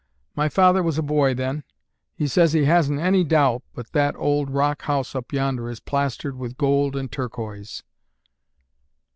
My father was a boy then. He says he hasn't any doubt but that old rock house up yonder is plastered with gold and turquoise."